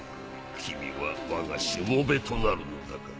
君はわがしもべとなるのだから。